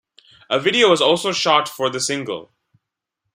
A video was also shot for the single.